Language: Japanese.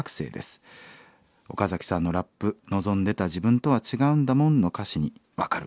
岡崎さんのラップ望んでた自分とは違うんだもんの歌詞に分かる。